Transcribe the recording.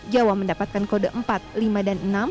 jawa mendapatkan kode empat lima dan enam